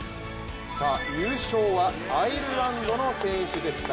優勝はアイルランドの選手でした。